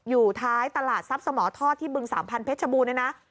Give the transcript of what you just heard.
อยู่ท้ายตลาดทรัพย์สมทรทอดที่บึง๓๐๐๐พบนะ